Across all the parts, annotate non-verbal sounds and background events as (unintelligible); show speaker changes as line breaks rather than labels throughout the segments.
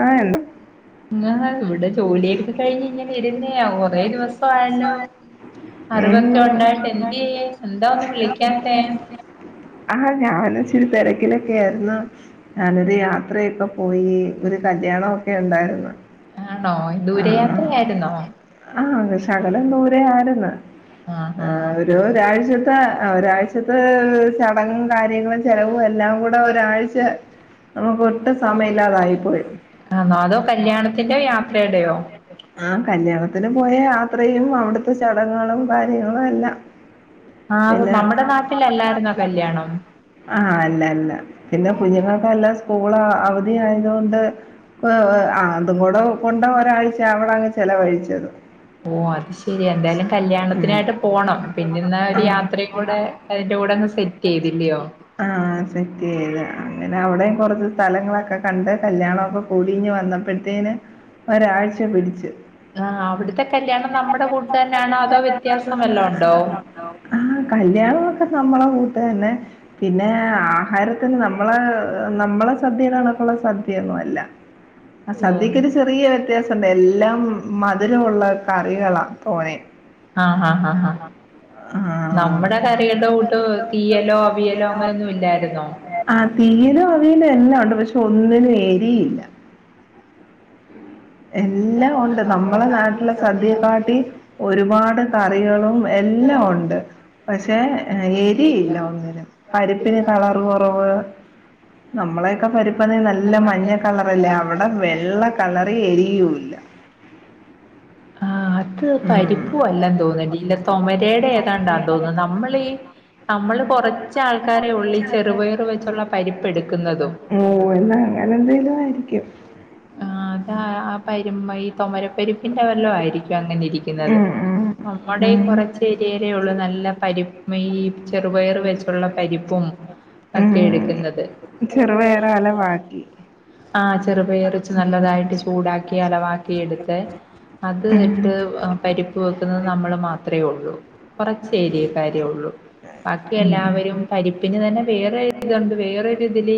ആഹ് എന്ത്
ഇങ്ങളെ ഇവിടെ ജോലിയൊക്കെ കഴിഞ്ഞ് ഇങ്ങനെ ഇരുന്നയാ കൊറേ ദിവസ ആയല്ലോ
ഉം
അറിവൊക്ക ഉണ്ടായിട്ട് എന്ത്യേ എന്താ ഒന്ന് വിളിക്യാത്തേ?
ആഹ് ഞാന് ഇച്ചിരി തിരക്കിലൊക്കെ ആയിരുന്നു ഞാനൊരു യാത്രയൊക്ക പോയീ ഒരു കല്യാണം ഒക്കെ ഉണ്ടായിരുന്നു
ആണോ
ആ
ദൂരയാത്രയായിരുന്നോ
ആ ദൂര ആരുന്നു
ആഹ്
ആ
ആഹ്
ഒരു ഒരാഴ്ചത്തെ ഒരാഴ്ചത്തെ ചടങ്ങും കാര്യങ്ങളും ചെലവും എല്ലാം കൂടെ ഒരാഴ്ച നമുക്ക് ഒട്ടും സമയം ഇല്ലാതായി
ആന്നോ അതോ കല്യാണത്തിന്റെയോ യാത്രയുടെയോ
ആ കല്യാണത്തിന് പോയ യാത്ര ചെയ്യണം അവിടെത്ത ചടങ്ങുകളും കാര്യങ്ങളും എല്ലാം
ആഹ്
പിന്നെ
നമ്മുടെ നാട്ടിലല്ലായിരുന്നോ കല്യാണം
ആഹ് അല്ല അല്ല പിന്നെ കുഞ്ഞുങ്ങൾക്കല്ല സ്കൂൾ അവധിയാ ത് കൊ വ് ആ അതും കൂടെ കൊണ്ടവാ നായിഴ്ച (unintelligible) അവിടെ അങ്ങ് ചെിലവഴിച്ചത്
ഓ അത് ശെരി എന്തായാലും
ഉം
കല്യാണത്തിനായിട്ട് പോണം പിന്നെന്നാ ഒരു യാത്രയും കൂടെ അതിന്റെ കൂടെ അങ്ങ് സെറ്റ് ചെയ്തില്ലയോ
ആ ആ സെറ്റ് വേ അങ്ങനെ അവിടെ കുറച്ച് സ്ഥലങ്ങളൊക്കെ കണ്ട് കല്യാണ ഒക്കെ കൂടിഞ്ഞ് വന്ന അടുത്തേന് ഒരാഴ്ച പിടിച്ച്
ആഹ് അവിടുത്തെ കല്യാണം നമ്മുടെ കൂട്ട് തന്നാണോ അതോ വ്യത്യാസം വല്ലോം ഉണ്ടോ
ആഹ് കല്യാണമൊക്കെ നമ്മളെ കൂ തന്നേ പിന്നെ ആഹാര തന്നെ നമ്മളെ നമ്മളെ സദ്യയിതാണ് ക്കുള്ള സദ്യയൊന്നും അല്ല ആ സദ്യക്കൊരു ചെറിയ വ്യത്യാസം ഉണ്ട് എല്ലാം മധുരമുള്ള കറികള തോനെ
ആഹ് ആഹ് ആഹ് ആഹ് നമ്മുടെ കറികളുടെ കൂട്ട് തീയലോ അവിയലോ അങ്ങനൊന്നും ഇല്ലായിരുന്നോ
ആ തീയിലും അവീലും എല്ലാം ഉണ്ട് പക്ഷെ ഒന്നിനും എരിയില്ല എല്ലാം ഉണ്ട് നമ്മളെ നാട്ടിലെ സദ്യക്കാട്ടി ഒരുപാട് കറികളും എല്ലാം ഉണ്ട്. പക്ഷെ എരിയില്ല ഒന്നിനും. പരിപ്പിന് കളർ കുറവ് നമ്മളെയൊക്കെ പരി (unintelligible) നല്ല മഞ്ഞ കളറല്ലേ അവിടെ വെള്ള കളറി എരി യ്യൂല
ത് പരിപ്പും അല്ലം തോന്ന രീല തൊമരേടെ ഏതാണ്ടാന്ന് തോന്നുന്നു നമ്മളീ നമ്മള് കുറച്ച ആൾക്കാരെ ഉള്ളി ചെറുപയറ് വെച്ചുള്ള പരിപ്പ് എടുക്കുന്നതും
ഓ
ഉം
എന്നാ അങ്ങനെ എന്തേലും ആയിരിക്കും
ആഹ് താ ആ പരുമയ് തൊമ പരിപ്പിന്റെ വല്ലോം ആയിരിക്കു അങ്ങനെരി കുന്നത്.
ഉം ഉം ഉം
അമ്മടെ കുറച്ച് ഏരിയേല് ഉള്ളു നല്ല പരിപ്പ് മീ ചെറുപയർ വെച്ചുള്ള പരിപ്പും തട്ടി എടുക്കുന്നത്
ഉം ചെറുപയറാല വാട്ടി
ആ ചെറുപയർ വച്ച് നല്ലതായിട്ട് ചൂടാക്കി അലവാക്കിയെട്ത് അത് ഇത്ത് ത് വ് ആം പരിപ്പ് വെക്കുന്നത് നമ്മള് മാത്രേ ഒള്ളു. കുറച്ച് ഏരിയക്കാരെഉള്ളു. ഭാക്കി എല്ലാവരും പരിപ്പ് ന് തന്നെ വേറെ ഇത് ഉണ്ട് വേറെ ഒരു ഇതില്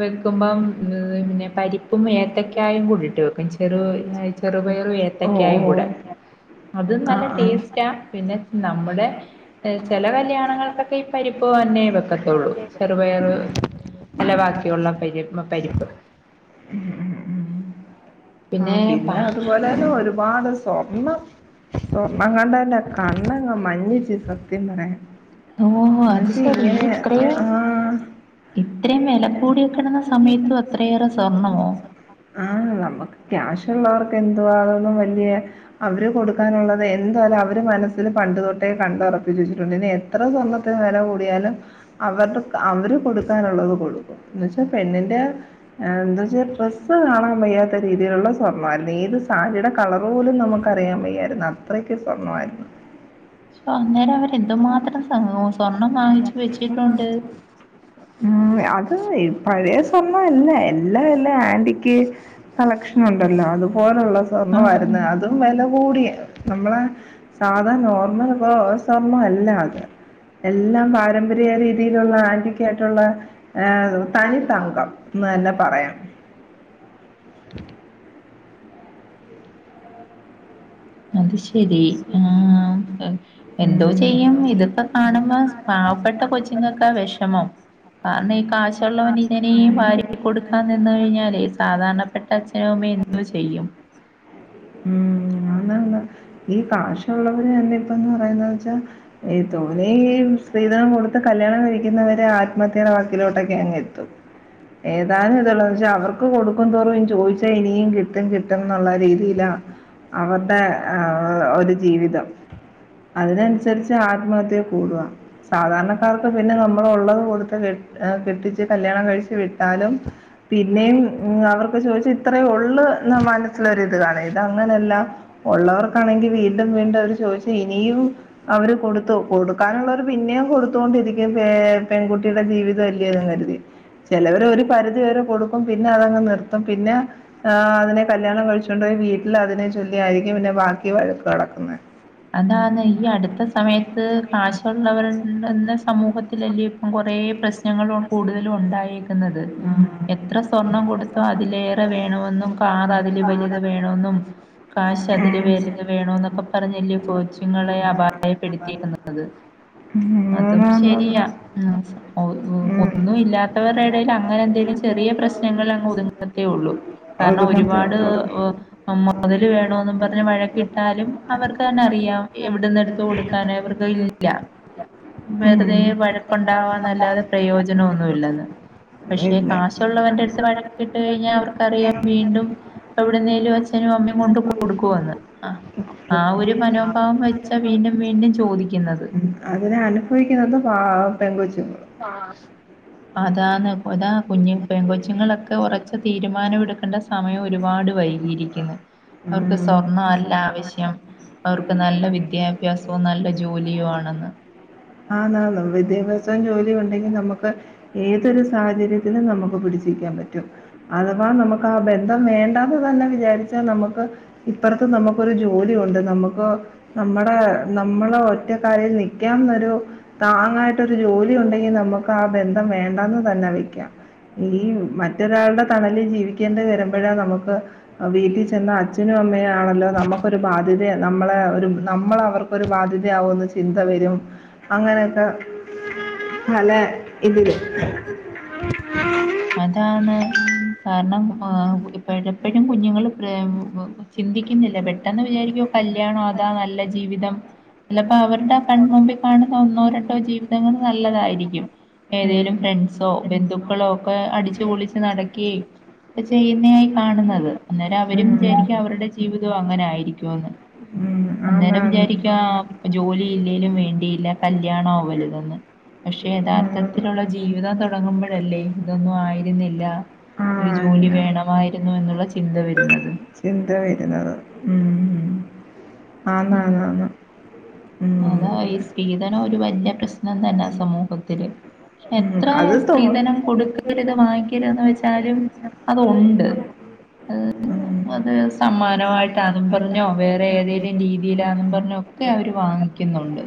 വെകുമ്പോ പിന്നെ പരിപ്പും വേ ത്തക്കായീം കുടിട്ട് വെക്കും. ചെറു വേ ചെറുപയറും എത്ത
ഓഹ്
കായയും കൂടെ
ഓഹ്
അതും
ആഹ്
നല്ല
ആഹ്
ട്ടേസ്റ്റാ. പിന്നെ നമ്മുടെ എ ചേല കല്യണ ങ്ങൾക്ക്ഓക്കെ പരിപ്പ് വന്നേവെക്കത്തുള്ളൂ. ചെറുപയർ നല്ല ബാക്കിയുള്ള പരിപ്പും പരിപ്പും
ഉം ആ പിന്നെ അതുപോലെന്നെ ഒരു പാട് സോ ഓ അങ്ങട്ടെ നെ കണ്ണങ്‌ മഞച്ചി സത്യ ങ്ങന്നെ
ഓ
ഇന്ന
അത്
സി
ശരി
ഇങ്ങനെ
ഇത്രയും
ആഹ്
ഇത്രയും വില കൂടിയ കിടന്ന സമയത്തും അത്രയേറെ സ്വർണമോ
(unintelligible) ആഹ് അമ്മക്ക് കാശുള്ളോർക് എന്തും ആവാലോ വെ (unintelligible) അവര് കൊടുക്കാൻ ഉള്ളത് എന്ത് ലാ അവരേ മനസ്സ് അതിന് പണ്ട് തൊട്ടെ കണ്ട് ഉറപ്പിച്ച് വെച്ചിടുട്ട് എത്ര സ്വർണത്തിന് വില കൂടിയാലും അവര്ടെ ഉപ്പ അവര് കൊടുക്കാൻ ഉള്ളത് കൊടുക്കും എന്ത് ന്ന വെച്ചാൽ പെണ്ണിന്റെ എന്താച്ച ഡ്രസ്സ് ണാൻ വെയാത്ത രീതിയിൽ ഉള്ള സ്വർണം ഏത് സാരി ടെ കളർ പോലും നമ്മുക്ക് പറയാൻ വെയായിരുന്നു അത്രക്കും സ്വർണം മായിരുന്നു
അങ്ങനെ അവർ എന്ത് മാത്രം സ്വർണം വാങ്ങി വെചിട്ടുണ്ട്
ആയ് പഴയ സ്വർണം അല്ലോ എല്ലാഅയോ അറ്റിക്ക് കളക്ഷ്ൻഉണ്ടല്ലോ അത് പോലെയുള്ള സ്വർണം
ആഹ്
വരുന്ന്അതു വില കൂടി നമ്മള് സാധനേർമൽ ഇപ്പോ സ്വർണം അല്ലാ എല്ലാം പരപര്യായരിതിയിൽഉള്ള അറ്റിക് അയിട്ടുള്ള തനി തങ്കം എന്ന് തന്നെ പറയാം (inaudible)
അത് ശരി ആ
ഉം,
എന്തോ ചെയ്യാം ഇത് ഇപ്പോ കാണുമ്പോ പാവപ്പെട്ട കൊച്ച് ങ്ങൾക്ക് ആ വിഷമം ഈ കാശ്ഉള്ളവൻ ഇങ്ങനി കൊടുക്കാൻ നിന്ന് കഴിഞ്ഞാല് സാധരണപ്പെട്ട അച്ഛനും അമ്മയും എന്ത് ചെയ്യും
ഇന്ന് ഇന്ന് ഇ കാശുള്ളവൻ എന്നി ഇപ്പോ പറയുന്നത് വെച്ചാൽ തോനെ സ്ത്രിധനം കൊട്ത്ത് കല്യാണം കഴിക്കുന്നവർ അവർ അത്വ മത്യം അങ്ങ് എത്തും എന്താ നും ഇത് ഉള്ളവർഅവ അവർക്ക് കൊടുക്കും തോറും ചോദിച്ച ഇനിയും കിട്ടും കിട്ടു കിട്ടും നുള്ള രീതിയിലാ അവട്ടെ ആ ഒരു ജീവിതം അതിന് അതിനനുസരിച്ച് ആത്മഹത്യ കൂടുവാ സാധാരണക്കാർക്ക് പിന്നെ നമ്മൾ ഉള്ളത് കൊടുത്ത് കെട്ടിച്ച് കല്യാണം കഴിച്ച വിട്ടാലും പിന്നെയും അവർക്ക് ചോദിച്ച ഇത്രേ ഉള്ളള് മനസ്സിലൊ ഇത് കാണാം ഇത് അങ്ങനെയല്ല ഉള്ളവർക്കാണെങ്കി വീണ്ടും വീണ്ടും അവര് ചോദിച്ച ഇനിയും അവര് കൊടുത്തു കൊടുക്കാനുള്ളവര് പിന്നെയും കൊടുത്തോണ്ടിരിക്കും. പെൺകുട്ടിയുടെ ജീവിതമലെന്ന് കരുതി ചിലവർ ഒരു പരിധി വരെ കൊടുക്കും പിന്നെ അതങ്ങ് നിർത്തും പിന്നെ അതിനെ കല്യാണം കഴിച്ചു കൊണ്ട പോയി വീട്ടിൽ അതിനെ ചൊല്ലിയിരിക്കും ന്നെ ബാക്കി വഴക്ക് നടക്കുന്ന
അതാണ് ഈ അടുത്ത സമയത്ത് കാശുള്ളവരുടെ എന്ന സമൂഹത്തില്ലേ ഇപ്പം കൊറേ പ്രശ്നങ്ങൾ കൂടുതലും ഉണ്ടായേക്കുന്നത്. എത്ര സ്വർണം കൊടുത്തോ അതിലേറെ വേണെന്നും കാർ അതില് വലുത് വേണെന്നും കാശ് അതില് വലുത് വേണോ എന്നൊക്കെ പറഞ്ഞ കൊച്ചുങ്ങളെ അപായപ്പെടുത്തിക്കുന്നത് അതും ശരിയാ
അതുങ്ങനത്തെ
ഒന്നും ഇല്ലാത്തവരു ഇടയിൽ അങ്ങനെ എന്തേലും ചെറിയ പ്രശ്നങ്ങൾ അങ്ങ് ഒതുങ്ങത്തേ ഉള്ളൂ കാരണം ഒരുപാട് മുതല് വേണന്ന് തിന് വഴക്കിട്ടാലും അവർക്ക് റിയാം എവിടന്ന് എടുത്ത് കൊടുക്കൻ അവർക്ക് ഇല്ല വെറുതെ വഴക്കുണ്ടാവാനല്ലാതെ പ്രയോജനംന്നുമില്ലന്ന്. പക്ഷെ കാശുള്ളവൻന്റെ അടുത്ത് വഴക്കിട്ട് കഴിഞ്ഞാൽ അവർക്കറിയാം വീണ്ടും എവിടുന്നേലും അച്ഛനും അമ്മയും കൊണ്ട് കൊ കൊടുക്കുന്ന്അ ആ ഒരു മനോഭാവം വെച്ചാ വീണ്ടും വീണ്ടും ചോദിക്കുന്നത്
അതിനെ അനുഭവിക്കുന്നത് പാവം പെൺ കൊച്ചിങ്ങ
അതാന്ന് അതാ കുഞ്ഞു പെൺ കൊച്ചുങ്ങളൊക്കെ ഉറച്ച തീരുമാനമെ ടുക്കേണ്ട സമയം ഒരുപാട് വൈകിയിരിക്കുന്നു അവർക്ക്
ഉം
സ്വർണം അല്ല ആവശ്യം അവർക്ക് നല്ല വിദ്യാഭ്യാസവും നല്ല ജോലിയും ആണെന്ന്
ജോലി ഉണ്ടെങ്കിൽ നമുക്ക് ഏതൊരു സാഹചര്യത്തിലും നമുക്ക് പിടിച്ച് നിക്കാൻ പറ്റും. അഥവാ നമുക്ക് ആ ബന്ധം വേണ്ടാന് തന്നെ വിചാരിച്ചാൽ നമുക്ക് ഇപ്പറത്ത് നമുക്കൊരു ജോലി ഒണ്ട് നമുക്ക് പ്പൊ നമ്മടെ നമ്മള ഒറ്റക്കാലിൽ നിക്കാന്നൊരു താങ്ങായിട്ടൊരു ജോലി ഒണ്ടെങ്കിൽ നമുക്ക് ആ ബന്ധം വേണ്ടാന്ന് ന്നെ വെക്കാം ഈ മറ്റൊരാളുടെ തണലിൽ ജീവിക്കേണ്ടി വരുമ്പോഴാ നമുക്ക് അ വീട്ടി ചെന്നാ നും അമ്മയ ആണല്ലോ നമുക്കൊരു ബാ ബാധ്യ നമ്മളെ ഒരു നമ്മളവർക്കൊരു ബാധ്യതയാകുമന്ന് ചിന്ത വരും അങ്ങനെയൊക്കെ പല ഇതിൽ
അതാണ് കാരണം ഇപ്പ എപ്പോഴും കുഞ്ഞുങ്ങള് ചിന്തിക്കുന്നില്ല പെട്ടെന്ന് വിചാരിക്കുവോ കല്യാണോ അതാ നല്ല ജീവിതം ചിലപ്പോ അവരുടെ ആ കൺമുമ്പിൽ കാണുന്ന ഒന്നോ രണ്ടോ ജീവിതങ്ങൾ നല്ലതായിരിക്കും ഏതേലും ഫ്രണ്ട്സോ ബന്ധു ക്കളോ ക്കെ അടിച്ചു പൊളിച്ച് നടക്കേ ചെയ്യുന്നേയി കാണുന്നത്. അന്നേരം അവരും വിചാരിക്ക അവരുടെ ജീവിതവും അങ്ങനെ ആയിരിക്കോന്ന്.
ഉം
അന്നേരം
ആന്നാന്ന്
വിചാരിക്കാ ജോലി ഇല്ലെലും
ഉം.
വേണ്ടിയില്ല കല്യാണോ വലുതന്ന് പക്ഷെേ യഥാർത്ഥത്തിലുള്ള ജീവിതം തുടങ്ങുമ്പൊഴല്ലേ ന്നു ആയിര് ന്നില്ല
ആ
ഒരു ജോലി
അങ്ങനെ.
വേണമായിരു ന്നു എന്നുള്ള ചിന്ത വരുന്നത്.
ചിന്ത വരുന്നത്. ഉം ഉം ആന്നാന്നാന്ന്
അതാ ഈ
ഉം.
സ്ത്രീധനം ഒരു പര് ല്ല പ്രശ്നം തന്നാ സമൂഹത്തില്
ഉം
എത്ര
അത് തോ
സ്ത്രീധനം കൊടുക്കരുത് വാങ്ങിക്കരുതെന്ന് വെച്ചാലും അതൊണ്ട് അഹ് അത് സമ്മാനമായിട്ടാന്നും പറഞ്ഞോ വേറെ ഏതേലും രീതീലാന്നു പർഞ്ഞോ ഒക്കെ അവര് വാങ്ങിക്കുന്നുണ്ട്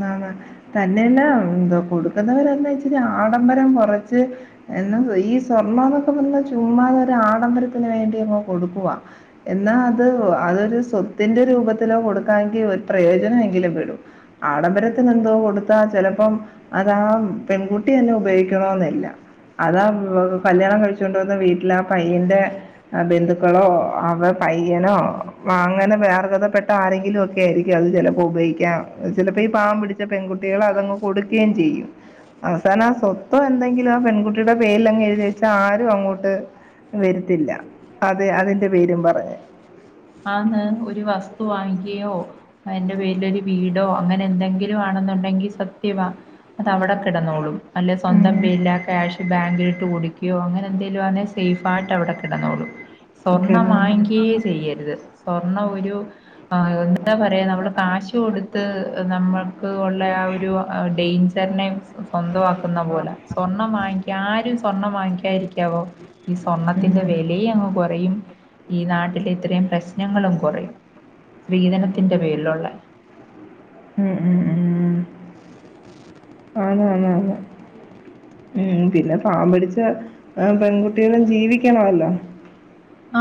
ആന്നന്നെ തന്നെയല്ലാ എന്താ കൊടുക്കുന്നവരല്ലാ ഇച്ചിരി ആണ്. അന്നേരം കുറച്ച് എന്ന ഈ സ്വർണ്ണോന്നൊക്കെ പറഞ്ഞ ചുമ്മാത ആഡംബരത്തിന് വേണ്ടി അങ്ങ് കൊടുക്കുവ എന്നാ അത് അതൊരു സ്വത്തിന്റെ രൂപത്തിലോ കൊടുക്കാമെങ്കിൽ പ്രയോജനമെങ്കിലും പെടും ആഡംബരത്തി എന്തോ കൊടുത്താ ചിലപ്പം അതാ പെൺകുട്ടി തന്നെ ഉപയോഗിക്കണ എന്നില്ല അതാ കല്യാണം കഴിച്ചൊണ്ട വന്ന വീട്ടില ആ പയ്യൻന്റെ ബന്ധുക്കളോ പയ്യനോ അങ്ങനെ അർഹഥപ്പെട്ട ആരെങ്കിലും ഒക്കെ ആയിരിക്കും അത് ചിലപ്പോ ഉപയോഗിക്കാം ചിലപ്പോ ഈ പാവം പിടി പെൺകുട്ടികൾ അതങ്ങു കൊടുക്കേം ചെയ്യും അവസാനം ആ സ്വത്തോ എന്തെങ്കിലും ആ പെൺകുട്ടിയുടെ പേരിൽ അങ്ങ് എഴുതി വച്ച ആരും അങ്ങോട്ട് വരത്തില്ല അതെ അതിന്റെ പേരി
ആന്ന് ഒരു വസ്തു വാങ്ങിക്കയോ അതിന്റെ പേരിലൊരു വീടോ അങ്ങനെ എന്തെങ്കിലും വാണെന്നുണ്ടെങ്കി സത്യവ അതു അവിടെ കിടന്നോളും അല്ല സ്വന്തം
ഉം.
പേരീല് ആ ക്യാഷ് ബാങ്കിലടിക്കോ അങ്ങനെ എന്തേലും ആണെങ്കിൽ സേഫ് ആയിട്ട് അവടെ കിടന്നോളും സ്വർണ്ണം വാങ്ങിക്കെ ചെയ്യരുത് സ്വർണ്ണം ഒരു എന്താ പറയാ നമ്മൾ കാശ് കൊടുത്ത് ന നമ്മൾക്ക് ഉള്ള ആ
ഓക്കേ.
ഒരു ഡെഞ്ചറിനെ സ്വന്തമാക്കുന്ന
ഉം ഉം
പോലെ സ്വർണം വാങ്ങിക്കാ ആരും സ്വർണ്ണം വാങ്ങിക്കാതിരിക്കാവോ ഈ സ്വർണത്തിന്റെ വിലയും അങ്ങ് കൊറയും ഈ നാട്ടിലെ ഇത്രയും പ്രശ്നങ്ങളും കുറയും സ്ത്രീധനത്തിന്റെ പേരിലുള്ള.
ഉം ഉം ഉം ആന്ന് ആന്ന് ആന്ന് ഉം പിന്നെ പാവംപിടിച്ച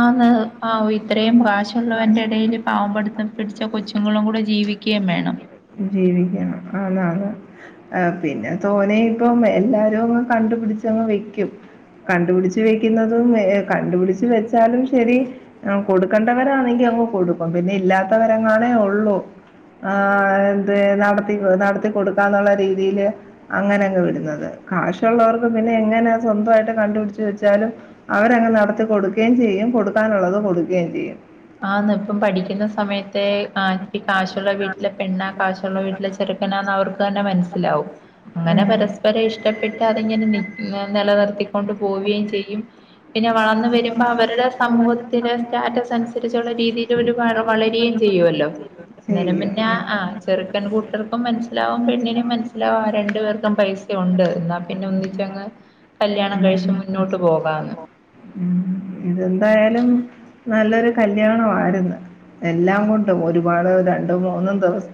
ആന്ന് ആ ഇത്രയും കാശുള്ളവന്റെ ഇടയിൽ പാവം പടുത്തം പിടിച്ച കൊച്ചുങ്ങളും കൂടെ ജീവിക്കുകയും വേണം
ജീവിക്കണം അതാണ് ആ പിന്നെ തോന്നെ ഇപ്പം എല്ലാരും അങ്ങ് കണ്ടുപിടിച്ചങ്ങ് വെക്കും കണ്ടുപിടിച്ച് വെക്കുന്നതും ഏ കണ്ടുപിടിച്ച് വെച്ചാലും ശരി ആ കൊടുക്കേണ്ടവരാണെങ്കിൽ അങ്ങ് കൊടുക്കും പിന്നെ ഇല്ലാത്തവരെങ്ങാണേ ഉള്ളൂ ആ നടത്തി കൊ നടത്തി കൊടുക്കാന്നൊള്ള രീതില് അങ്ങനങ്ങു വിടുന്നത്. കാശുള്ളോർക് പിന്നെ എങ്ങനെ സ്വന്തവായിട്ട് കണ്ടുപിടിച്ച് വെച്ചാലും അവരങ്ങു നടത്തികൊടുക്കേം ചെയ്യും കൊടുക്കാനൊള്ളത് കൊടുക്കേം ചെയ്യും.
ആന്ന് ഇപ്പം പഠിക്കുന്ന സമയത്തെ കാശൊള്ള വീട്ടിലെ ചെറുക്കാനാന്നവർ ക്കന്നെ മൻസിലാവും അങ്ങനെ പരസ്പരം ഇഷ്ടപ്പെട്ട് അതിങ്ങനെ നിക് നെലനിർതികൊണ്ട് പോവേം ചെയ്യും പിന്നെ വളർന്നു വരുമ്പോൾ അവരുടെ സമൂഹത്തില് സാറ്റസ് അനുസരിച്ചുള്ള രീതിയിൽ ഇവര് വളരുവേം ചെയ്യുവല്ലേ അന്നേരം
ചെയ്യും
പിന്ന ആ ചെറുക്കൻകൂട്ടർക്കും മൻസ് ലാവും പെണ്ണിനും
ആഹ്
മനസ്സിലാവും ആ രണ്ട് പേർക്കും പൈസ ഒണ്ട് ന്നാ പിന്നെ ഒന്നിച്ചങ് കല്യാണം കഴിച്ച് മുന്നോട്ട് പോകാന്ന്.
ഇതെന്തായാലും നല്ലൊരു കല്യാണമായിരുന്നു എല്ലാം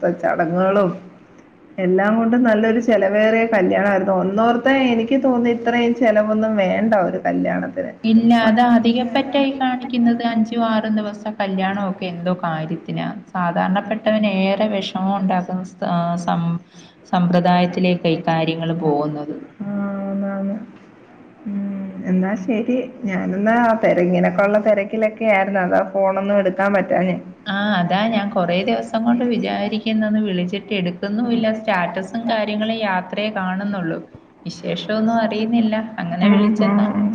പ്പ ചടങ്ങുകളും എല്ലാം കൊണ്ടും നല്ലൊരു ചെലവേറിയ കല്യാണമായിരുന്നു ഒന്നോർത്തെ എനിക്ക് തോന്നി ഇത്രയും ചെലവൊന്നും വേണ്ട ഒരു കല്യാണത്തിന്
ഇല്ലാ അതാതധികപറ്റായി കാണിക്കുന്നത് അഞ്ചും ആറും ദിവസത്തെ കല്യാണൊക്കെ എന്തോ കാര്യത്തിനാ സാധാരണപെട്ടവനേറെ വെഷമോ ണ്ടാക്കുന്ന സാ സം സമ്പ്രദായത്തിലേക്കായി കാര്യങ്ങൾ പോകുന്നത്
ആ ന്നാന്ന്. ഉം എന്നാ ശെരി. ഞാനന്നാ തെര ഇങ്ങനൊക്കെയൊള്ള തെര ക്കിലെക്കെ ആരുന്നു അതാ ഫോണൊന്നും എടുക്കാൻ പറ്റ്
ആ അതാ ഞാൻ കൊറേ ദിവസംകൊണ്ട് വിചാരികണ് ഇന്നൊന്നു വിളിച്ചിട്ട് എടുക്കുന്നുല്ല സ്റ്റാറ്റസും കാര്യങ്ങളും യാത്രയെ കാണുന്നുള്ളൂ വിശേഷോന്നു അറിയുന്നില്ല അങ്ങനെ
ഉം, ഉം,
വിളിച്ചതാ.
ഉം.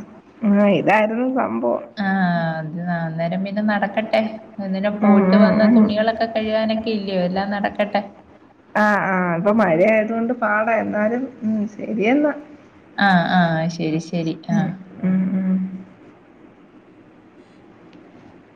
ആ ഇതായിരുന്നു സംഭവം
ആ അത് അന്നേരം പിന്നെ നടക്കെട്ടെ അതിന്
ഉം
പോയിട്ട്
ഉം
വന്ന തുണികളൊക്കെ കഴുകാനൊക്കെയില്ലേ ഒര്
ആ ആ ഇപ്പ മഴ ആയതോണ്ട് പാട എന്നാലും ഉം ശെരിയെന്ന.
ആ ആ ശെരി ശെരി ആ
ഉം ഉം ഉം